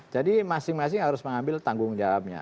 jadi masing masing harus mengambil tanggung jawabnya